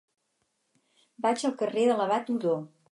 Vaig al carrer de l'Abat Odó.